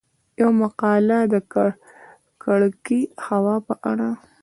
يومـقاله د کـکړې هـوا په اړه :